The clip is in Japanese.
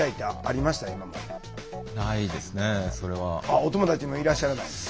お友達もいらっしゃらない。